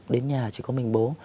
đến nhà chỉ có mình bố